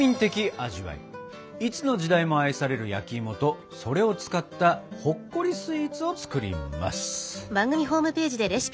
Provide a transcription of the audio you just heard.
いつの時代も愛される焼きいもとそれを使ったほっこりスイーツを作ります！